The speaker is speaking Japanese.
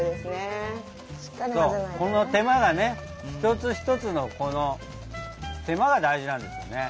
この手間がねひとつひとつのこの手間が大事なんですよね。